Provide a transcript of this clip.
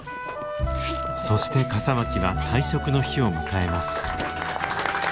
そして笠巻は退職の日を迎えます。